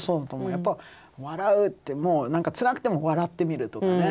やっぱ笑うってもう何かツラくても笑ってみるとかね。